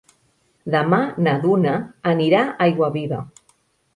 Demà na Duna anirà a Aiguaviva.